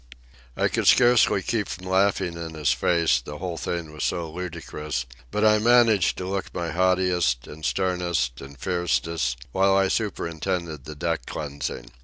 I could scarcely keep from laughing in his face, the whole thing was so ludicrous; but I managed to look my haughtiest, and sternest, and fiercest, while I superintended the deck cleansing.